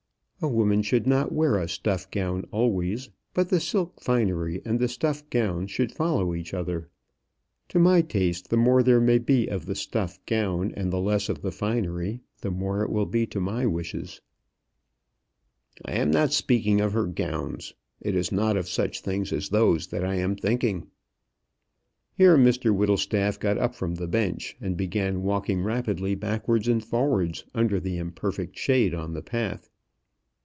"A woman should not wear a stuff gown always; but the silk finery and the stuff gown should follow each other. To my taste, the more there may be of the stuff gown and the less of the finery, the more it will be to my wishes." "I am not speaking of her gowns. It is not of such things as those that I am thinking." Here Mr Whittlestaff got up from the bench, and began walking rapidly backwards and forwards under the imperfect shade on the path.